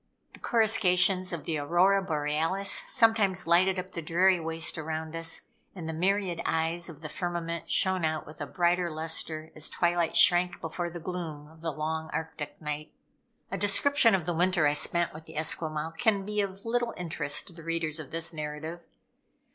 The coruscations of the Aurora Borealis sometimes lighted up the dreary waste around us, and the myriad eyes of the firmament shone out with a brighter lustre, as twilight shrank before the gloom of the long Arctic night. A description of the winter I spent with the Esquimaux can be of little interest to the readers of this narrative.